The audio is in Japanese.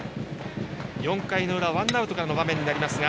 ４回の裏、ワンアウトからの場面。